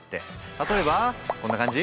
例えばこんな感じ？